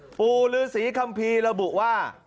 ปู่ฤษีคัมภีร์ระบุว่า